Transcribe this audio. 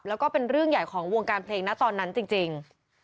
แล้วก็เป็นเรื่องใหญ่ของวงการเพลงนะตอนนั้นจริง